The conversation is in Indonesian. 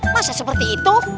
masa seperti itu